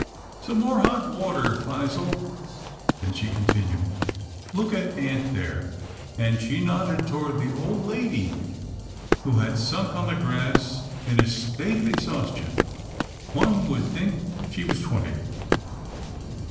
" Some more hot water, Phizelle," — then she continued, " Look at aunt there," and she nodded 342 'TILDA JANE'S ORPHANS toward the old lady who had sunk on the grass in a state of exhaustion. " One would think she was twenty."